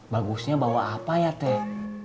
bagusnya bawa apa ya teh